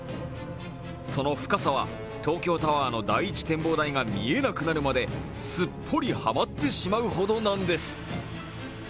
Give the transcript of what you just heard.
その深さは東京タワーの第一展望台が見えなくなるほどまですっぽりハマってしまうほどなんです。